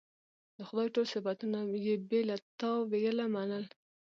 د خدای ټول صفتونه یې بې له تأویله منل.